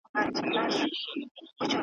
نه به واخلي تر قیامته عبرتونه ,